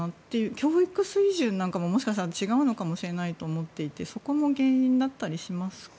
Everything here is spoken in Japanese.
教育水準ももしかしたら違うのかもしれないと思っていてそこも原因だったりしますか？